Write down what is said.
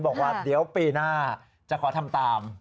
บอกว่าเดี๋ยวปีหน้าจะขอทำตาม